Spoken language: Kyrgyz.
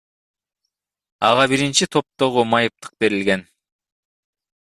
Ага биринчи топтогу майыптык берилген.